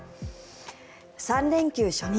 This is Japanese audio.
３連休初日